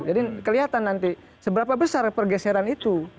jadi kelihatan nanti seberapa besar pergeseran itu